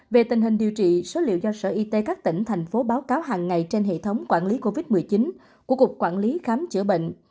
về tình hình điều trị số liệu do sở y tế các tỉnh thành phố báo cáo hàng ngày trên hệ thống quản lý covid một mươi chín của cục quản lý khám chữa bệnh